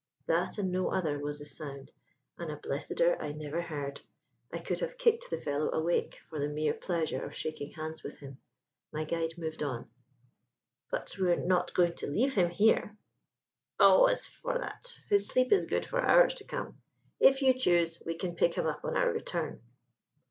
That and no other was the sound, and a blesseder I never heard. I could have kicked the fellow awake for the mere pleasure of shaking hands with him. My guide moved on. "But we are not going to leave him here!" "Oh, as for that, his sleep is good for hours to come. If you choose, we can pick him up on our return."